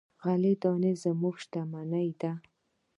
غله دانه زموږ شتمني ده.